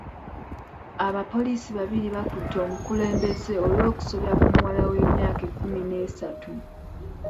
Abapoliisi babiri bakutte omukulembeze olw'okusobya ku muwala w'emyaka ekumi n'esatu.